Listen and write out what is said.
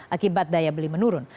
akibat daya beli menurun